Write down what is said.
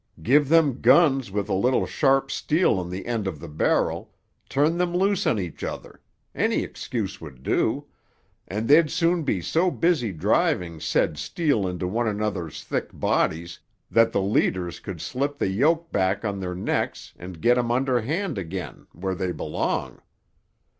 Give them guns with a little sharp steel on the end of the barrel, turn them loose on each other—any excuse would do—and they'd soon be so busy driving said steel into one another's thick bodies that the leaders could slip the yoke back on their necks and get 'em under hand again, where they belong.